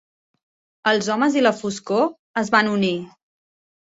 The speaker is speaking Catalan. Els homes i la foscor es van unir.